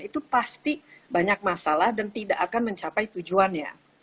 itu pasti banyak masalah dan tidak akan mencapai tujuannya